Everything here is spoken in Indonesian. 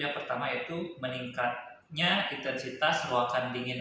yang pertama itu meningkatnya intensitas seruakan dingin